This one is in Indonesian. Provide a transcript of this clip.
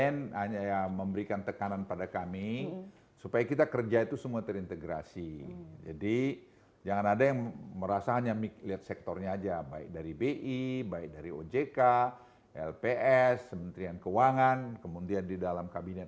nanti tanggal dua puluh enam dua puluh tujuh kita putusin